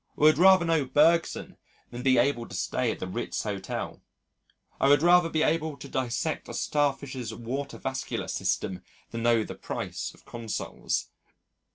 I would rather know Bergson than be able to stay at the Ritz Hotel. I would rather be able to dissect a star fish's water vascular system than know the price of Consols.